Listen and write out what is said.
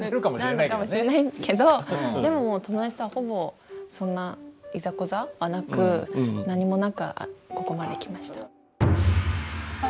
なのかもしれないけどでも友達とはほぼそんなイザコザもなく何もなくここまで来ました。